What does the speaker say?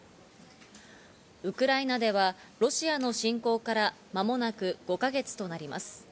ウクライナではロシアの侵攻から間もなく５か月となります。